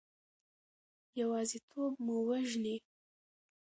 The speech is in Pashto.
یوازیتوب مو وژني.